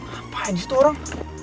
apaan sih itu orang